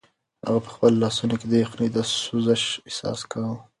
هغه په خپلو لاسو کې د یخنۍ د سوزش احساس کاوه.